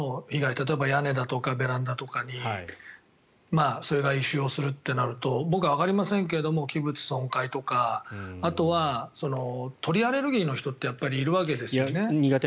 例えば屋根だとかベランダとかにそれが異臭をするってなると僕はわかりませんけど器物損壊とかあとは、鳥アレルギーの人っているわけですよね。